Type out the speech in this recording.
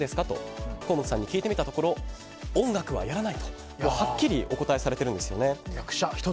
と甲本さんに聞いてみたところ音楽はやらないとはっきりお答えされているんですよね。